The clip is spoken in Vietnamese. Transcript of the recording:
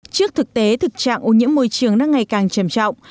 trước thực tế thực trạng ô nhiễm môi trường đang ngày càng trầm trọng